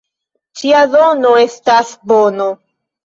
Ĉia dono estas bono.